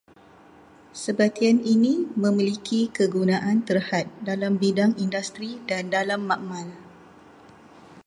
Sebatian ini memiliki kegunaan terhad dalam bidang industri dan dalam makmal